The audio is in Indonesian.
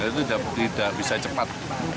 itu tidak bisa cepat